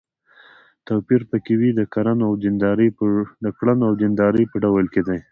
توپير په کې وي د کړنو او د دیندارۍ په ډول کې دی.